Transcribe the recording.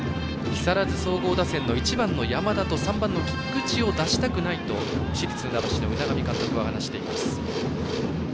木更津総合打線の１番の山田と３番の菊地を出したくないと市立船橋の海上監督は話しています。